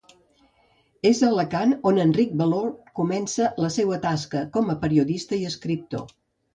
És a Alacant on Enric Valor comença la seua tasca com periodista i escriptor.